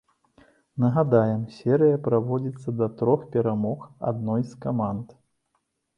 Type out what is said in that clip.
Нагадаем, серыя праводзіцца да трох перамог адной з каманд.